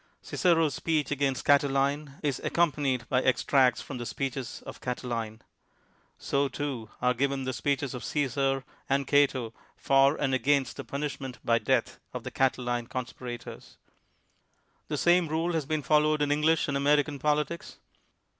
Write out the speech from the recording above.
Cic ero's speech against Catiline is accompanied by extracts from the speeches of Catiline. So, too, are given the speeches of Csesar and Cato for and against the punishment by death of the Catiline conspirators. The same rule has been followed in English and American politics.